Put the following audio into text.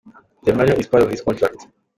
The manual is part of this contract.